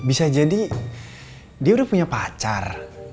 bisa jadi dia udah punya pacar